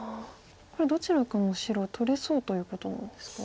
これどちらかの白を取れそうということなんですか？